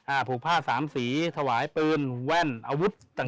ผูกผ้าสามสีถวายปืนแว่นอาวุธต่าง